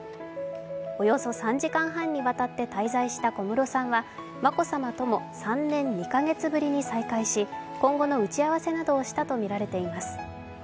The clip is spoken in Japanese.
およそ３時間半にわたった滞在した小室さんは眞子さまとも３年２カ月ぶりに再会し今後の打ち合わせなどをしたとみられています。